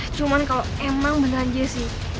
cuman kalo emang beneran jessi